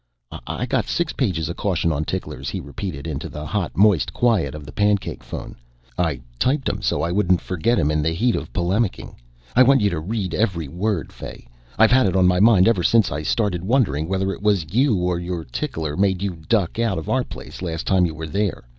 "I got six pages of caution on ticklers," he repeated into the hot, moist quiet of the pancake phone. "I typed 'em so I wouldn't forget 'em in the heat of polemicking. I want you to read every word. Fay, I've had it on my mind ever since I started wondering whether it was you or your tickler made you duck out of our place last time you were there.